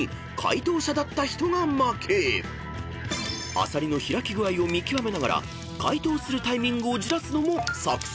［アサリの開き具合を見極めながら解答するタイミングをじらすのも作戦の１つ］